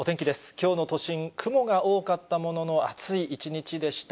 きょうの都心、雲が多かったものの、暑い一日でした。